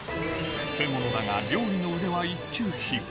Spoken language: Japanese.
くせ者だが料理の腕は一級品。